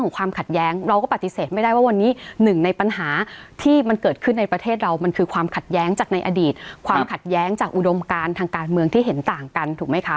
ความขัดแย้งจากอุดมการทางการเมืองที่เห็นต่างกันถูกไหมคะ